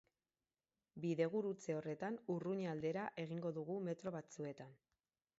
Bidegurutze horretan Urruña aldera egingo dugu metro batzuetan.